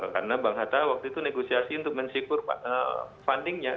karena bang hatta waktu itu negosiasi untuk mensyukur fundingnya